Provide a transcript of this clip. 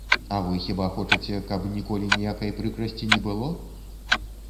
А вы хіба хочаце, каб ніколі ніякай прыкрасці не было?